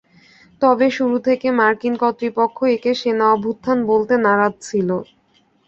তবে শুরু থেকে মার্কিন কর্তৃপক্ষ একে সেনা অভ্যুত্থান বলতে নারাজ ছিল।